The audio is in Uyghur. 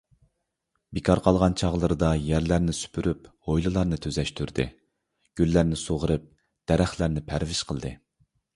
بىكار قالغان چاغلىرىدا يەرلەرنى سۈپۈرۈپ، ھويلىلارنى تۈزەشتۈردى. گۈللەرنى سۇغىرىپ، دەرەخلەرنى پەرۋىش قىلدى.